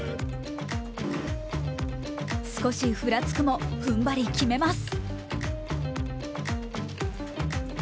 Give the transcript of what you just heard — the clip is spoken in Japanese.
少しふらつくも踏ん張り、決めます